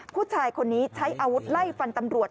ผู้ชายคนนี้ใช้อาวุธไล่ฟันตำรวจ